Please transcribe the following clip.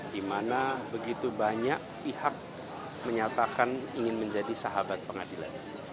di mana begitu banyak pihak menyatakan ingin menjadi sahabat pengadilan